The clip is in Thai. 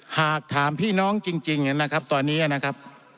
หากถามพี่น้องจริงนะครับตอนนี้นะครับ